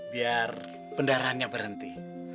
biar pendarahannya berhenti